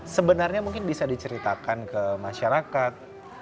sebenarnya mungkin bisa diceritakan ke masyarakat